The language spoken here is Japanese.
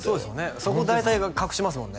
そこ大体が隠しますもんね